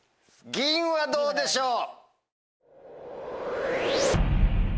「銀」はどうでしょう？